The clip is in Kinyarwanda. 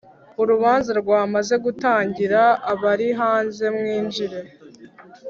urubanza rwamaze gutangira abarihanze mwinjire